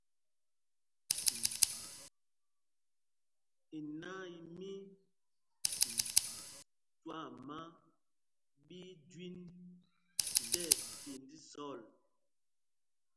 Inâ í mí twaama ɓí í jüind tí ɛpind zɔl.